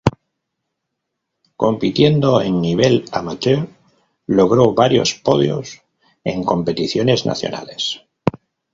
Compitiendo en nivel amateur logró varios podios en competiciones nacionales.